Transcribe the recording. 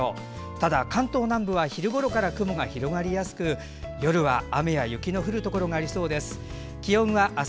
ただ、関東南部は昼ごろから雲が広がりやすく夜は雨や雪の降るところがありそうです。